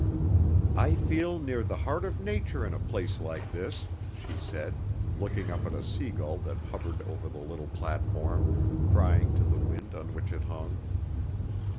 "I feel near the heart of Nature in a place like this," she said, looking up at a seagull that hovered over the little platform, crying to the wind on which it hung.